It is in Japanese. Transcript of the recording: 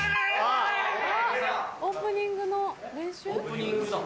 オープニングの練習？